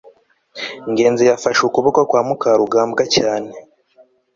ngenzi yafashe ukuboko kwa mukarugambwa cyane